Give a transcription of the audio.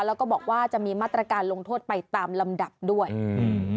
แล้วก็บอกว่าจะมีมาตรการลงโทษไปตามลำดับด้วยอืม